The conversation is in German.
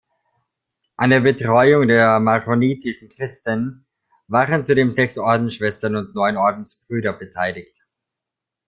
An der Betreuung der maronitischen Christen waren zudem sechs Ordensschwestern und neun Ordensbrüder beteiligt.